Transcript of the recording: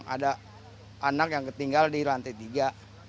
ada anak yang ketinggal di lantai tiga